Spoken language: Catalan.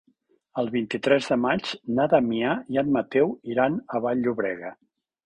El vint-i-tres de maig na Damià i en Mateu iran a Vall-llobrega.